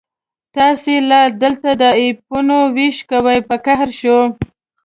تاسې لا دلته د اپینو وېش کوئ، په قهر شو.